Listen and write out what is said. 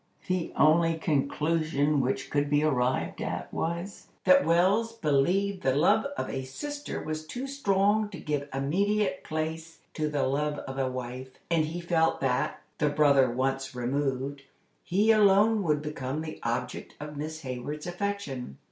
The only conclusion which could be arrived at was, that Wells believed the love of a sister was too strong to give immediate place to the love of a wife, and he felt that, the brother once removed, he alone would become the object of Miss Hayward's affection.